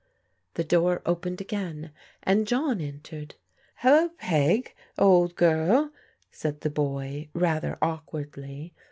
The door opened again, and John entered. Hello, Peg, old girl !" said the boy rather awkwardly.